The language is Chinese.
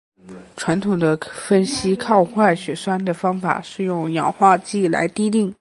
传统的分析抗坏血酸的方法是用氧化剂来滴定。